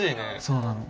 そうなの。